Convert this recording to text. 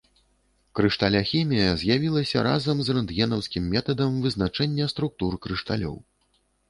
Крышталяхімія з'явілася разам з рэнтгенаўскім метадам вызначэння структур крышталёў.